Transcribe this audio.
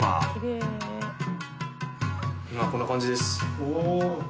こんな感じです。